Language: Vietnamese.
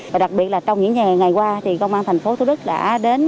và đặc biệt là trong những ngày qua thì công an tp thủ đức đã đến